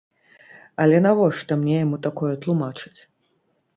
Але навошта мне яму такое тлумачыць?